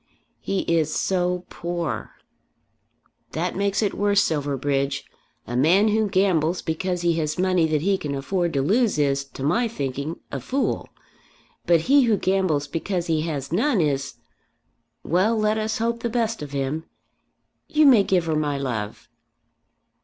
"He is so poor!" "That makes it worse, Silverbridge. A man who gambles because he has money that he can afford to lose is, to my thinking, a fool. But he who gambles because he has none, is well, let us hope the best of him. You may give her my love."